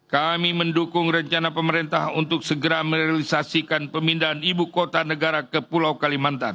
kami mendukung rencana pemerintah untuk segera merealisasikan pemindahan ibu kota negara ke pulau kalimantan